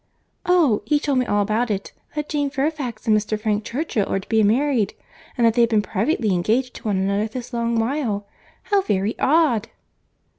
"Oh! he told me all about it; that Jane Fairfax and Mr. Frank Churchill are to be married, and that they have been privately engaged to one another this long while. How very odd!"